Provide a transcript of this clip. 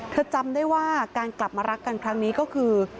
จำได้ว่าการกลับมารักกันครั้งนี้ก็คือ